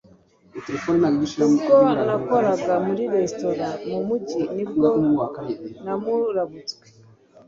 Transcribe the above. ubwo nakoraga muri restora mumugi nibwo namurabutswe